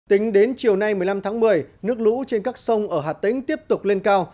tính đến chiều nay một mươi năm tháng một mươi nước lũ trên các sông ở hà tĩnh tiếp tục lên cao